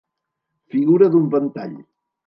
Figura d'un ventall.